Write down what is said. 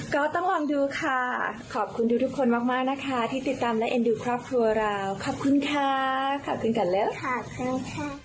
ก็ต้องลองดูค่ะขอบคุณทุกคนมากมากนะคะที่ติดตามและเอ็นดูครอบครัวเราขอบคุณค่ะขอบคุณกันแล้วค่ะ